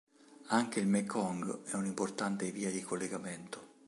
Anche il Mekong è un'importante via di collegamento.